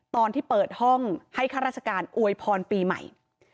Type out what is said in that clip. ตอนที่เปิดห้องให้ข้าราชการอวยพรปีใหม่